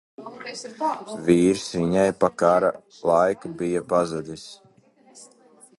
Vīrs viņai pa kara laiku bija pazudis.